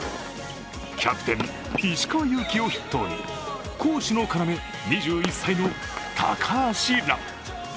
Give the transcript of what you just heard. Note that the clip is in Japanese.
キャプテン・石川祐希を筆頭に攻守の要、２１歳の高橋藍。